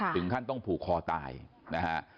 ถึงขั้นต้องผูกคอตายนะฮะ